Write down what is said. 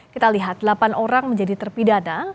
kita lihat delapan orang menjadi terpidana